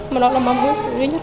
mà đó là mong ước